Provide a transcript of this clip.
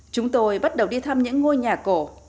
chúng tôi bắt đầu đi thăm những ngôi nhà cổ